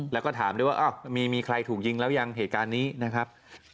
แล้วก็ถามด้วยว่ามีใครถูกยิงแล้วยังเหตุการณ์นี้นะครับ